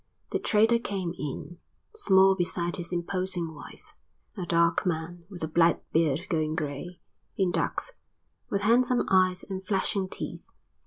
The trader came in, small beside his imposing wife, a dark man with a black beard going grey, in ducks, with handsome eyes and flashing teeth.